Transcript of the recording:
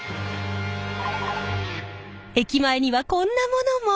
駅前にはこんなものも。